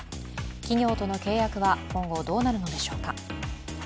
企業との契約は今後どうなるのでしょうか。